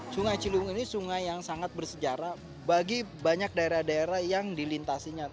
sungai ciliwung ini sungai yang sangat bersejarah bagi banyak daerah daerah yang dilintasinya